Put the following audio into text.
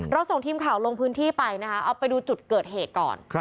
ส่งทีมข่าวลงพื้นที่ไปนะคะเอาไปดูจุดเกิดเหตุก่อน